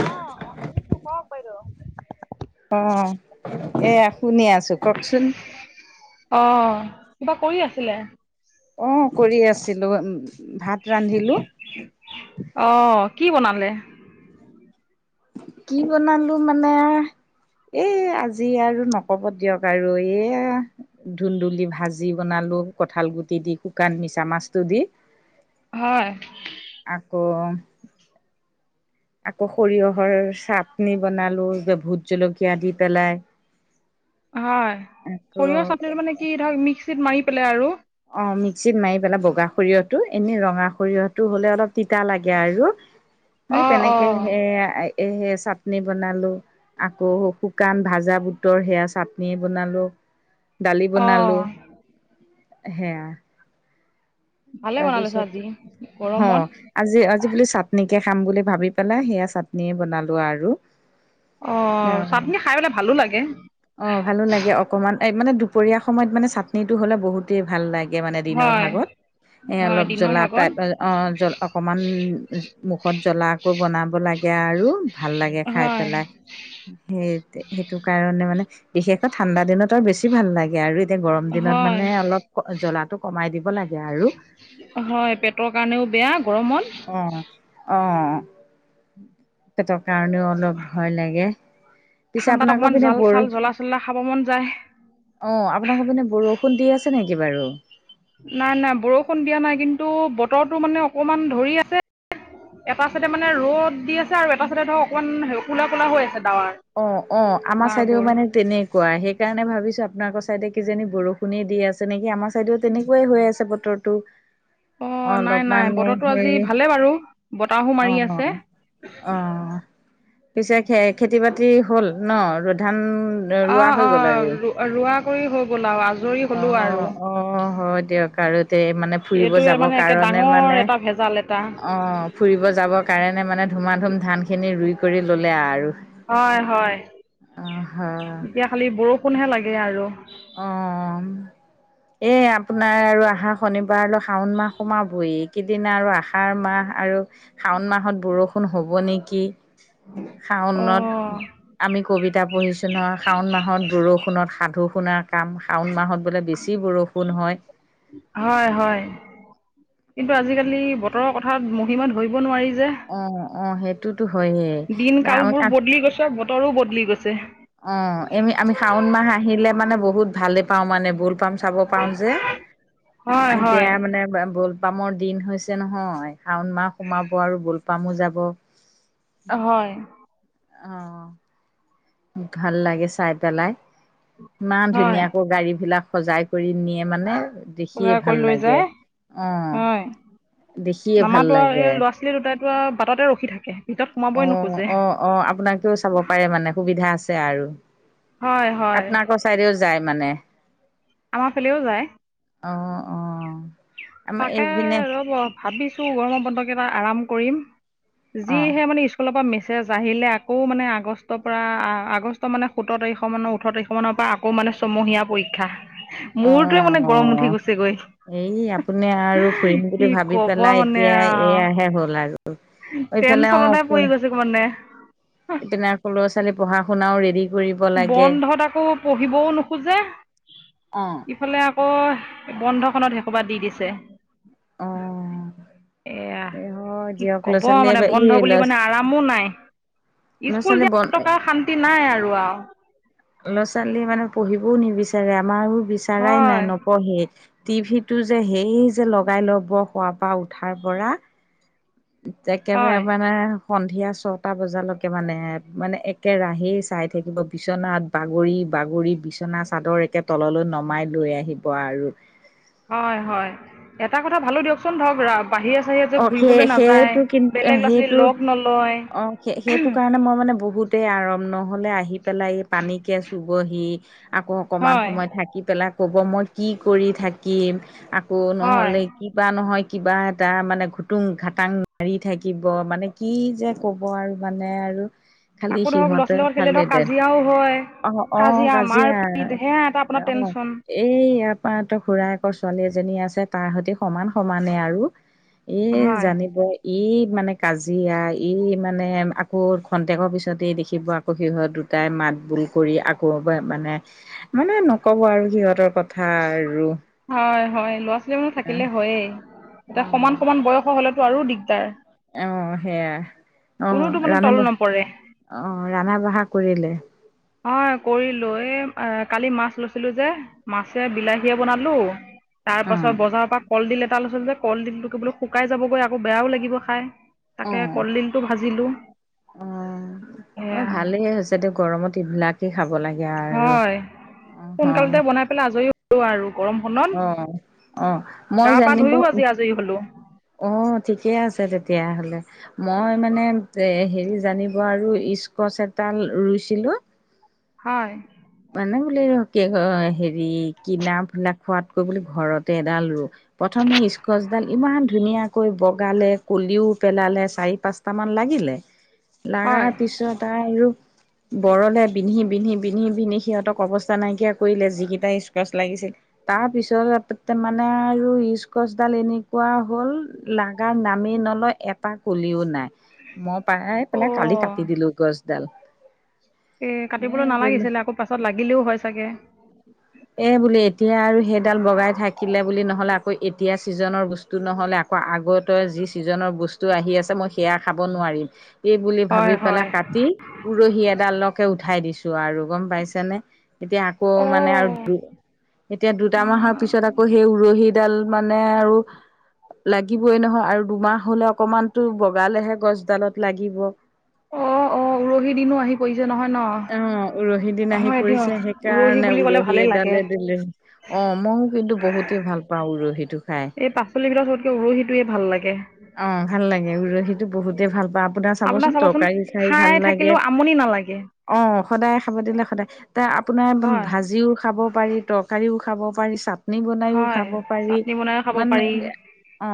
অ কওক বাইদেউ অ এয়া শুনি আছো কওকচোন অঁ কিবা কৰি আছিলে অ কৰি আছিলো উ ভাত ৰান্ধিলো অঁ কি বনালে কি বনালো মানে এ আজি আৰু নকব দিয়ক আৰু এ ধুনন্দুলি ভাজি বনালো কঠাল গুটি দি শুকান মিছা মাছটো দি হয় আকৌ আকৌ সৰিয়হৰ চাটনি বনালো যে ভোট জলকীয়া দি পেলাই হয় আকৌ সৰিয়হ চাটনিটো মানে কি ধৰক মিক্সিত মাৰি পেলাই আৰু অ মিক্সিত মাৰি পেলাই বগা সৰিয়হটো এনে ৰঙা সৰিয়হটো হ'লে অলপ তিতা লাগে আৰু [inaudible] সেই তেনেকে অ', সেই এ আ এ চাটনি বনালো আকৌ শুকান ভাজা বুটৰ সেয়া চাটনি বনালো দালি বনালো অ', হেয়া ভালে বনালে চোন তাৰপিছত আজি হ গৰমত আজি আজি বুলি চাটনিকে খাম বুলি ভাবি পেলাই সেয়া চাটনিয়ে বনালো আৰু অ চাটনি খাই পেলাই ভালো লাগে অ ভালো লাগে অকণমান এই মানে দুপৰীয়া সময়ত মানে চাটনিটো হ'লে বহুতেই ভাল লা গে মানে দিনৰ হয়, ভাগত এ হয়, অলপ দিনৰ জ্বলা ভাগত অ জল অকণমান উ ম মুখত জ্বলাকৈ বনাব লাগে আৰু ভাল লাগে খাই হয়, পেলাই সেই তে সেইটো কাৰণে মানে বিশেষকৈ ঠাণ্ডা দিনত আৰু বেছি ভাল লাগে আৰু তে গৰম দিনত হয়, মানে অলপ জ্বলাটো কমাই দিব লাগে আৰু হয় পেটৰ কাৰণেও বেয়া গৰমত অ অ পেটৰ কাৰণেও অলপ ভয় লাগে পিছে ঠাণ্ডাত আপোনালোকৰ অকনমান পিনে জাল বৰ চাল জ্বলা চলা খাব মন যায় অঁ আপোনাৰ ঘৰপিনে বৰষুণ দি আছে নেকি বাৰু নাই নাই বৰষুণ দিয়া নাই কিন্তু বতৰটো মানে অকমান ধৰি আছে এটা চাইডে মানে ৰ'দ দি আছে আৰু এটা চাইডে ধৰক অকণমান কোলা কোলা হৈ আছে ডাৱাৰ অ অ আমাৰ চাইদেও মানে তেনে কোৱা সেইকাৰণে ভাবিছোঁ আপোনালোকৰ ছাইদে কিজানী বৰষুণে দি আছে নেকি আমাৰ ছাইডেও তেনেকুৱাই হৈ আছে বতৰ তু অ' নাই অলপ নাই মানে বতৰটো আজি হেৰি ভালে বাৰু বতাহো অ মাৰি আছে অ পিছে খে খেতি বাতি হ'ল ন আৰু ধান অ ৰোৱা হৈ অ গ'ল আৰু ৰো ৰোৱা কৰি হৈ গ'ল আউ আজৰি অ হলো আৰু অ হয় দিয়ক আৰু তে মানে ফুৰিব এইটোৱে যাব মানে একে কাৰণে ডাঙৰ মানে এটা ভেজাল এটা অ ফুৰিব যাবৰ কাৰণে মানে ধুমা ধুম ধান খিনি ৰুই কৰি ললে আৰু হয় হয়। অ হয় এতিয়া খালি বৰষুণহে লাগে আৰু অ [inaudible] এই আপোনাৰ আৰু আহা শনিবাৰলৈ শাওণৰ মাহ সোমাবহি এইকেইদিন আৰু আহাৰ মাহ আৰু শাওণ মাহত বৰষুণ হ'ব নেকি? উম শাওণত আমি কবিতা পঢ়িছোঁ নহয় শাওণ মাহত বৰষুণত সাধু শুণাক কাম শাওণ মাহত বোলে বেছি বৰষুণ হয়। হয় হয়। কিন্তু আজিকালি বতৰৰ কথাাত মহিমা ধৰিব নোৱাৰি যে অ অ সেইটোতো হয়ে। দিন কাল বোৰ বদলি গৈছে আৰু বতৰো বদলি গৈছে। অ এমি আমি শাওণ মাহ আহিলে মানে বহুত ভালে পাওঁ মানে বুল পাম চাব। পাও যে হয় হয় এতিয়া মানে বলপামৰ দিন হৈছে নহয়। শাওণ মাহ সোমাব আৰু বোলপামো যাব। হয়। অ ভাল লাগে চাই পেলাই ইমান হয় ধুনীয়াকৈ গাড়ী বিলাক সজাই কৰি নিয়ে মানে। দেখিয়ে বজাৰ ভাল কৰি লৈ লাগে যায় অ হয় দেখিয়ে ভাল লাগে। সেই দুটাত বাটতে ৰখি থাকে। ভিতৰত সোমাবই অ নোখোজে অ অ আপোনাকেও চাব পাৰে মানে সুবিধা আছে। আৰু হয় হয় আপোনাৰ কৰ চাৰিও যায়। মানে আমাৰ ফালেও যায়। অ অ আমাৰ তাকে এইপিনে ৰব ভাবিছো গৰম বন্ধ কেইটা আৰাম কৰিম।। অ যিহে মানে ই স্কুলৰ পৰা মেছেজ আহিলে আকৌ মানে আগষ্টৰ পৰা আগষ্ট মানে সতৰ তাৰিখ মানে ওঠৰ তাৰিখ অকমানৰ পৰা আকৌ মানে ছমহীয়া পৰীক্ষা অ মোৰতোৱে মানে গৰম উঠি গৈছেগৈ। এই আপুনি আৰু ফুৰিম কি বুলি ভাবি ক'ব পেলাই মানে এতিয়া এয়াহে আৰু হ'ল আৰু ঐফালে অ টেনচনতে পৰি গৈছে মানে এইপেনে আকৌ ল'ৰাোৱালী পঢ়া শুনাও ৰেডি- কৰিব লাগে বন্ধত আকৌ পঢ়িবও নোখোজে। অ ইফালে আকৌ বন্ধখনত শকোবা দি দিছে। অ এয়া এ হয় কি দিয়ক ল'ৰা কব মানে ছোৱালীয়ে এই বন্ধ বুলি ল'ৰা মানে আৰামো নাই ল'ৰা স্কুল ছোৱালী দিয়াত বন টকা শান্তি নাই আৰু আৰু ল'ৰা ছোৱালী মানে পঢ়িবও নিবিচাৰে আমাৰো বিচৰাই হয় নাই নপঢ়ে। টিভিটো যে সেই যে লগাই ল'ব খোৱাৰ পৰা উঠাৰ পৰা। একেবাৰে হয় মানে সন্ধিয়া ছটা বজালৈকে মানে মানে একেৰাহেই চাই থাকিব বিচনাত বাগৰি বাগৰি বিচনা চাদৰ একে তললৈ নমাই লৈ আহিব আৰু- হয় হয় এটা কথা ভালো দিয়কচোন ধৰক ৰাব- অ সেই সেইটো কিন্তু বেলেগ ল'ৰা ছোৱালী সেইটো লগ নলয় অ সে সেইটো কাৰণে মই মানে বহুত তেই আৰাম নহলে আহি পেলাই এই পানীকে চুবহি আকৌ অকমান হয় সময় থাক কি পেলাই ক'ব মই কি কৰি থাকিম আকৌ হয় নহ'লে কিবা নহয় কিবা এটা মানে খুটুং খাটাং মাৰি থাকিব মানে কি যে কব আৰু মানে আৰু খালি আকৌ ধৰক ল'ৰা সিহঁতে ছোৱালী লগত খেলিলে খালে ধৰক দেত কাজিয়াও হয় অ অ মাৰ কাজিয়া পিট সেয়া এটা আপোনাৰ অ। টেনচন এই ইয়াৰ পৰা তৰ খুৰায়েকৰ ছোৱালী এজনী আছে তাৰ সৈতে সমান সমানে আৰু। এয়েই হয় জানিবই। ই মানে কাজিয়া ই মানে আকৌ খন্তেকৰ পিছতে দেখিব সিহত দুটাই মাত বোল কৰি আকৌ মানে মানে নকব আৰু সিহঁতৰ কথা আৰু। হয় হয় ল'ৰা ছোৱালীসমূহ থাকিলে হয়েই, অ এটা সমান সমান বয়সৰ হলেতো আৰু দিগদাৰ। অ', সেয়া কোনোতো অ', মানে ৰান্ধা তল বঢ়া নপৰে অ', ৰন্ধা বঢ়া কৰিলে? অ', কৰিলো এই কালি মাছ লৈছিলো যে। মাছে বিলাহীয়ে বনালো তাৰ অ পাছত বজাৰৰ পৰা কলডিল এটা লৈছিলো যে, কলডিলটো কি বোলো শুকাই যাবগৈ আকৌ বেয়াও লাগিব খাই। অ তাকে কলডিলটো ভাজিলো। অ', অ', সেয়া ভালেই হৈছে দে গৰমত এইবিলাক দি খাব লাগে আৰু হয় সোনকালতে অ'। [unintelligible] আজৰি আৰু গৰম অ', অ', মই পা জানিব ধুইও আজি আজৰি হলো। [unintelligible] অ', ঠিকে আছে তেতিয়াহলে। মই মানে এ হেৰি জানিব আৰু স্কচ এটাল ৰুইছিলো। হয়। মানে বোলে কি হয় হেৰি কিনা ফিনা খোৱাতকৈ বোলো ঘৰতে এডাল ৰু। প্ৰথমে স্কচডাল ইমান ধুনীয়াকৈ বগালে কলিও পেলালে চাৰি পাঁচটামান লাগিলে। লাগাৰ হয় পিছত আৰু বৰলে বিন্ধি বিন্ধি বিন্ধি বিন্ধি সিহঁতক অৱস্থা নাইকিয়া কৰিলে যিকেইটা স্কচ লাগিছিল। তাৰপিছতে মানে আৰু ইস্কছডাল এনেকুৱা হ'ল লাগাৰ নামেই নলয় এপাহ কলিও নাই। মই পাই পেলাই কালি অ' কাটি দিলো গছডাল। এ কাটিবলৈ নালাগিছিলে আকৌ পাছত লাগিলেও হয় চাগে! এ বুলি এতিয়া আৰু সেইডাল বগাই থাকিলে বুলি নহলে আকৌ এতিয়া চিজনৰ বস্তু টো নহ'লে আকৌ আগৰ তই যি ছিজনৰ বস্তু আহি আছে মই সেয়া খাব নোৱাৰিম। এই বুলি হয় ভাবি পেলাই হয় কাটি, উৰহি এডালকে উঠাই দিছো আৰু। গম পাইছেনে? এতিয়া আকৌ অ মানে আৰু দু এতিয়া দুটা মাহৰ পিছত আকৌ সেই উৰহিত দাল মানে আৰু লাগিবই নহয় আৰু দুমাহ হলে অকমানতো বগালেহে গছডালত লাগিব। অ', অ'। অঁ উৰহি দিনো আহি পৰিছে নহয় ন? অ উৰহি দিন হয় দিয়ক উৰহি বুলি কলে ভালে ল দালিত দিলে অ মইও কিন্তু বহুতেই ভাল পাওঁ উৰহিটো খাই। পাচলিকেইতাৰ সবতকে উৰহিটোৱে ভাল লাগে! উম, ভাল লাগে উৰহী বহুতে ভাল পাওঁ আপোনাৰ চাবচোন তৰকাৰী খাই ভাল লাগে। অ, সদায় খাব দিলে সদায়, তে আপোনাৰ হয় ভাজিও খাব পাৰি, তৰকাৰীও খাব পাৰি, চাটনি বনাইও হয় খাব পাৰি, চাটনি বনাইও খাব মানে পাৰি অ,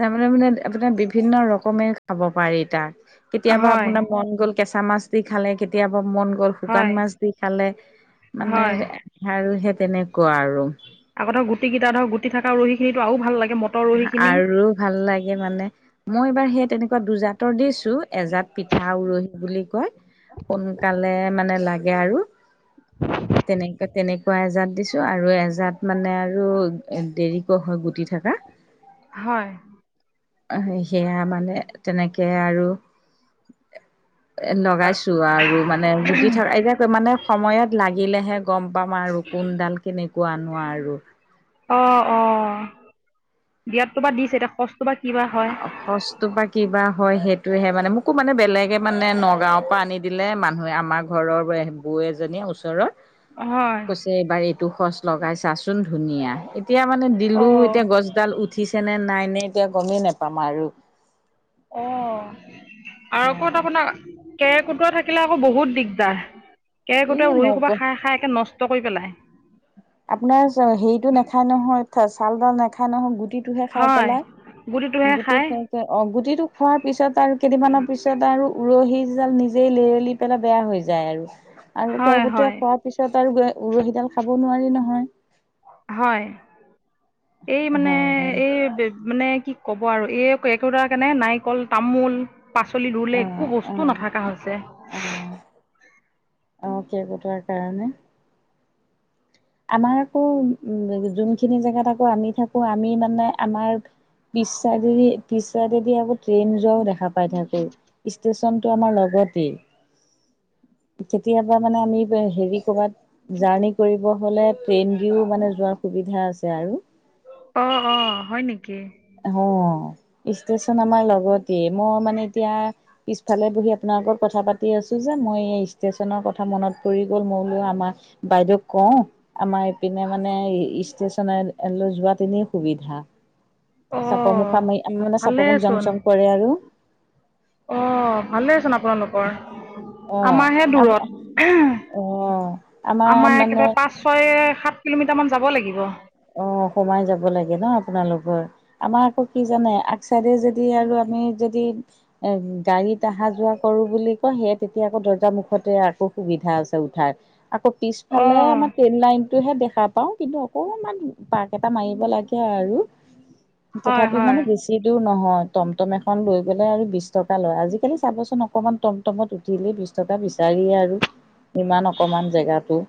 তাৰমানে মানে, মানে আপোনাৰ বিভিন্ন ৰকমে খাব পাৰি তাক। কেতিয়াবা হয় আপোনাৰ মন গ'ল কেঁচা মাছ দি খালে, কেতিয়াবা মন গ'ল হয় শুকান মাছ দি খালে, মানে হয় আৰু সেই তেনেকুৱা আৰু। আগতে গুটি গিতা ধৰক গুটি ধৰ গুটি থকা ৰহখিনি আৰু ভালাগে আৰু ভাল লাগে মানে। মই এইবাৰ সেই তেনেকুৱা দুজাতৰ দিছো, এজাত পিঠা উৰহি বুলি কয়। সোনকালে মানে লাগে আৰু, তেনে তেনেকুৱা এজাত দিছো। আৰু এজাত মানে আৰু দেৰিক হয়, গুটি থকা। হয়। সেয়া মানে তেনেকেই আৰু এ, লগাইছো আৰু মানে, গুটি থ, এ, যে মানে সময়ত লাগিলেহে গম, পাম আৰু কোনডাল কেনেকুৱানো আৰু। অ, অ, দিয়াতো বা দিছে এতিয়া খচটো বা কি বা হয়? খচটো‌ পৰা কিবা হয় সেইটোহে, মানে মোকো মানে বেলেগে মানে নগাঁওৰ পৰা আনি দিলে, মানুহে আমাৰ ঘৰৰ বৈ এজনী ওচৰৰ হয়। এবাৰ এইটো খচ লগাইছাচোন ধুনীয়া এতিয়া মানে দিলোঁ অ' এতিয়া গছডাল উঠিছেনে নাই নে এতিয়া গমেই নাপায়। আমাৰো। অ, আৰু ক'ত আপোনাক কেৰ-কুটুৱা থাকিলে আকৌ বহুত দিগদাৰ এই কেৰকুটোৱা ৰুইি নগ কোব খাই, খাই একে নষ্ট কৰি পেলায়। আপোনাৰ হেৰিতটো নেখায় নহয়, চালডাল নেখায় নহয় গুটিত টোহে খাই হয় পেলাই, গুটিটোহে গুটি খায় খাই গুটিটো খোৱাৰ পিছত আৰু কেইদিনমানৰ পিছত আৰু উৰহিডাল নিজেই লেৰেলি পেলাই বেয়া হৈ যায় আৰু, হয় কেৰকুটোৱাই হয় খোৱাৰ পিছত আৰু উৰহিডাল খাব নোৱাৰি নহয়। হয়, এই মানে হয় হয় এই মানে কি ক'ব আৰু এই কেৰকুটুৱা কাৰণে নাৰিকল তামোল পাচলি অ ৰুলে একো বস্তু অ নাথকা হৈছে। অ, কেৰকুটুৱাৰ কাৰণে। আমাৰ আকৌ উ, যোনখিনি জেগাত আকৌ আমি থাকো আমি মানে আমাৰ পিছ, পিছাৰেদি আকৌ ট্ৰেইন যোৱাও দেখা পাই থাকো। ষ্টেচনটো আমাৰ লগতে। কেতিয়াবা মানে আমি হেৰি কৰবাত জাৰ্ণি কৰিব। নহ'লে ট্ৰেইন দিওঁ মানে যোৱাৰ সুবিধা আছে আৰু। অ, অ, হয় নেকি। অ, ষ্টেচন আমাৰ লগতে মই মানে এতিয়া। পিছফালে বহি আপোনাৰ লগত কথা পাতি আছো যে, মই এই ষ্টেচনৰ কথা মনত পৰি গ'ল মই বোলো আমাৰ বাইদেউ কওঁ। আমাৰ ইপিনে মানে ষ্টেচনে লৈ যোৱা তেনেই সুবিধা। চাপৰ অ' মুখামাৰি আমি মানে চাপৰ মুখ জং ভালেচোন চং পৰে আৰু। অ, ভালেই চোন আপোনালোকৰ। অ আমাৰহে দূৰত, অ আমাৰ একেবাৰে পাচ ছয় সাত কিলোমিটাৰমান যাব লাগিব অ সোমাই যাব লাগে ন আপোনালোকৰ আমাৰ আকৌ কি জানে আগ চাইডে যদি আৰু আমি যদি এ গাড়ীত অহা যোৱা কৰো বুলি কয় সেই তেতিয়া আকৌ দৰ্জা মুুখতে আকৌ সুবিধা আছে উঠাৰ আকৌ পিছফালে আমাৰ ট্ৰেইন লাইন টোহে দেখা পাওঁ কিন্তু অকনমান পাক এটা মাৰিব লাগে আৰু হয় তথাপি মানে হয় বেছি বেছি দূৰ নহয় টমটম এখন লৈ গ'লে আৰু বিশ টকা লয় আজিকালি চাবচোন অকণমান টম টম টমত উঠিলে বিশ টকা বিচাৰিয়ে আৰু ইমান অকমান জেগাটো